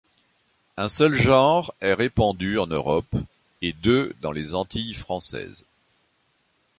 Un seul genre est répandu en Europe et deux dans les Antilles françaises.